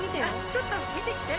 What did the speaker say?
ちょっと見てきて。